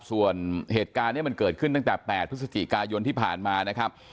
ส่วนเหตุการณ์นี้มันเกิดขึ้นตั้งแต่๘พฤศจิกายนที่ผ่านมานะครับ